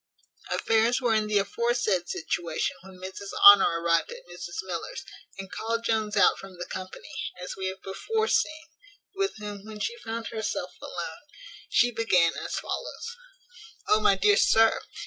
Affairs were in the aforesaid situation when Mrs Honour arrived at Mrs Miller's, and called Jones out from the company, as we have before seen, with whom, when she found herself alone, she began as follows: "O, my dear sir!